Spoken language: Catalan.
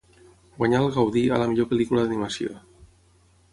Guanyà el Gaudí a la millor pel·lícula d'animació.